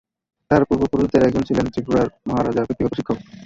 তাঁর পূর্বপুরুষদের একজন ছিলেন ত্রিপুরার মহারাজার ব্যক্তিগত শিক্ষক।